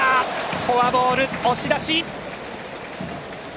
フォアボールで押し出し。